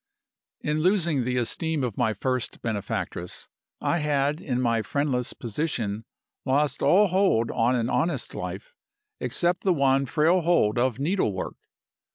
"In losing the esteem of my first benefactress, I had, in my friendless position, lost all hold on an honest life except the one frail hold of needle work.